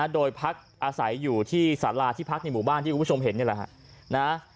โดยพักอาศัยอยู่ที่สาราที่พักในหมู่บ้านที่คุณผู้ชมเห็นนี่แหละฮะ